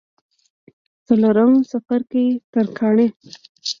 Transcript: څلورم څپرکی: ترکاڼي